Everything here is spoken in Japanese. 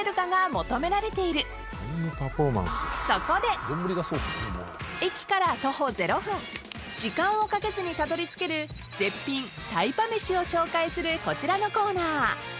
三菱電機駅から徒歩０分時間をかけずにたどり着ける絶品タイパ飯を紹介するこちらのコーナー